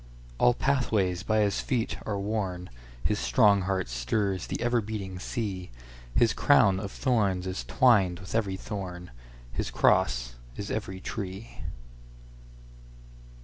All pathways by his feet are worn, His strong heart stirs the ever beating sea, His crown of thorns is twined with every thorn, His cross is every tree.